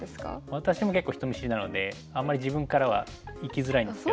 私も結構人見知りなのであんまり自分からはいきづらいんですよ。